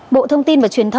bộ thông tin và chuyên nghiệm